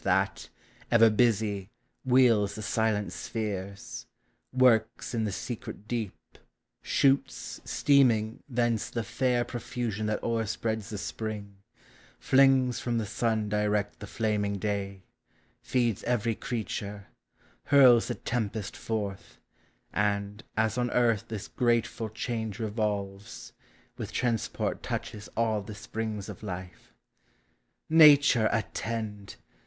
That, ever busy, wheels the silent spheres ; Works in the secret deep; shoots, steaming, thence The fair profusion that o'erspreads the Spring; Flings from the Sun direct the flaming day; Feeds every creature; hurls the tempest forth; And, as on Earth this grateful change revolves, With transport touches all the springs ol lib'. Nature, attend!